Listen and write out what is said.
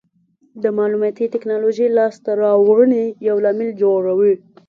د معلوماتي ټکنالوژۍ لاسته راوړنې یو لامل جوړوي.